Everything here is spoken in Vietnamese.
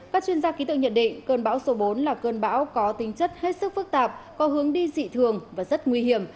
các chuyên gia khí tượng nhận định cơn bão số bốn là cơn bão có tính chất hết sức phức tạp có hướng đi dị thường và rất nguy hiểm